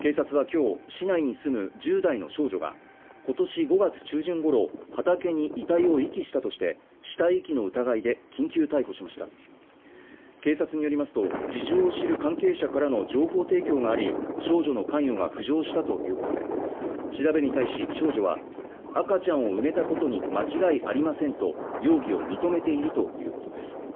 警察はきょう市内に住む１０代の少女がことし５月中旬ごろ畑に遺体を遺棄したとして死体遺棄の疑いで緊急逮捕しました警察によりますと事情を知る関係者からの情報提供があり少女の関与が浮上したということで調べに対し少女は赤ちゃんを埋めたことに間違いありませんと容疑を認めているということです